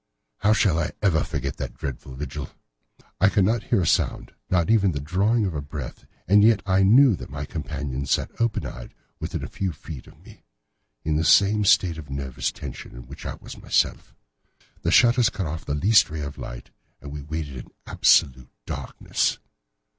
How shall I ever forget that dreadful vigil? I could not hear a sound, not even the drawing of a breath, and yet I knew that my companion sat open eyed, within a few feet of me, in the same state of nervous tension in which I was myself. The shutters cut off the least ray of light, and we waited in absolute darkness.